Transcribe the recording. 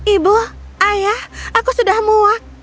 ibu ayah aku sudah muak